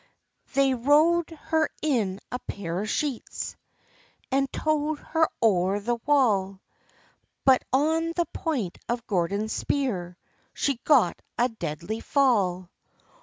They row'd her in a pair of sheets, And tow'd her o'er the wall; But on the point of Gordon's spear She got a deadly fall.